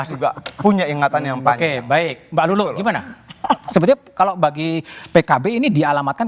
juga punya ingatan yang oke baik mbak lulu gimana sebenarnya kalau bagi pkb ini dialamatkan